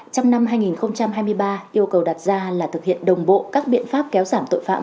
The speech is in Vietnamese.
trong năm hai nghìn hai mươi ba yêu cầu đặt ra là thực hiện đồng bộ các biện pháp kéo giảm tội phạm